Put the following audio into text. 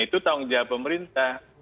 itu tanggung jawab pemerintah